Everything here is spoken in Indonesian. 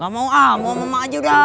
gamau ah mau mama aja udah